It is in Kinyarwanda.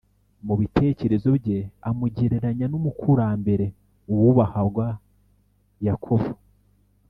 . Mu bitekererezo bye amugereranya n’umukurambere wubahwagwa Yakobo